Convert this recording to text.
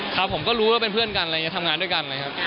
ครับผมก็รู้ว่าเป็นเพื่อนกันทำงานด้วยกันเลยครับ